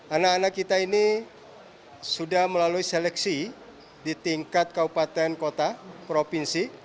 anak anak kita ini sudah melalui seleksi di tingkat kabupaten kota provinsi